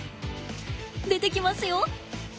出てきますよ。